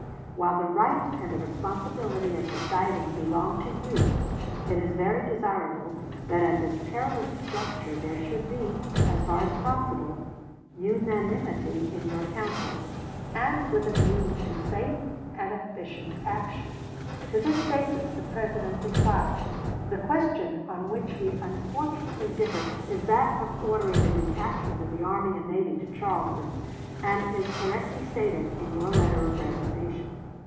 While the right and the responsibility of deciding belong to you, it is very desirable that at this perilous juncture there should be, as far as possible, unanimity in your councils, with a view to safe and efficient action. To this statement the President replied: Buchanan to Cass, Dec. 15, 1860. Curtis, "Life of Buchanan," Vol. II, p. 398. The question on which we unfortunately differ is that of ordering a detachment of the army and navy to Charleston, and is correctly stated in your letter of resignation.